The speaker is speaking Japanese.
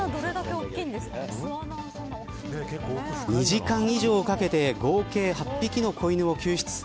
２時間以上かけて合計８匹の子犬を救出。